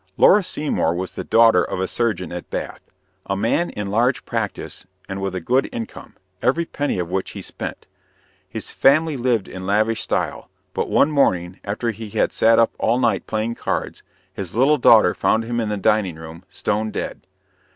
Laura Seymour was the daughter of a surgeon at Bath a man in large practise and with a good income, every penny of which he spent. His family lived in lavish style; but one morning, after he had sat up all night playing cards, his little daughter found him in the dining room, stone dead.